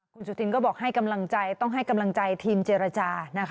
คุณสุธินก็บอกให้กำลังใจต้องให้กำลังใจทีมเจรจานะคะ